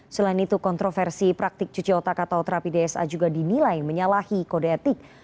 selain itu kontroversi praktik cuci otak atau terapi dsa juga dinilai menyalahi kode etik